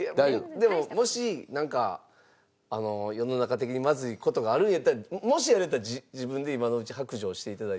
でももしなんか世の中的にまずい事があるんやったらもしあるんやったら自分で今のうち白状して頂いても。